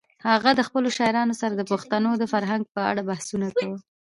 هغه د خپلو شاعرانو سره د پښتنو د فرهنګ په اړه بحثونه کول.